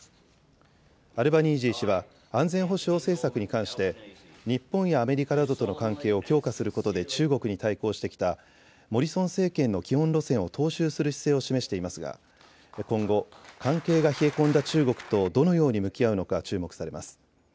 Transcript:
アルバニージー氏は安全保障政策に関して日本やアメリカなどとの関係を強化することで中国に対抗してきたモリソン政権の基本路線を踏襲する姿勢を示していますが今後、関係が冷え込んだ中国とどのように向き合うのか注目されます。